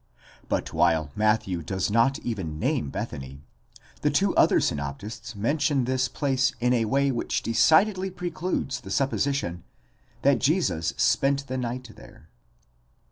1_ But while Matthew does not even name Bethany, the two other synoptists mention this place in a way which decidedly precludes the supposition that Jesus spent the night there.